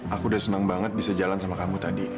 aku udah senang banget bisa jalan sama kamu tadi